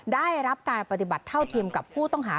ได้รับการปฏิบัติเท่าเทียมกับผู้ต้องหา